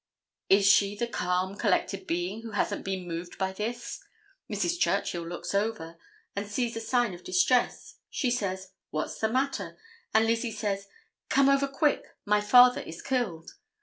Is she the calm, collected being who hasn't been moved by this? Mrs. Churchill looks over and sees a sign of distress. She says 'What's the matter?' and Lizzie says, 'Come over quick, my father is killed.